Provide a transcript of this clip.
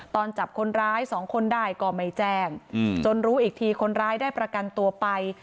ตอนจับคนร้ายสองคนได้ก็ไม่แจ้งจนรู้อีกทีคนร้ายได้ประกันตัวไป